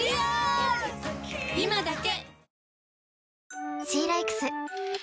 今だけ！